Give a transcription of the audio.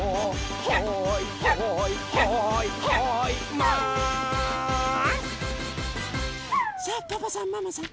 「はいはいはいはいマン」さあパパさんママさん